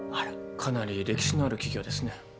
かなり歴史のある企業ですね。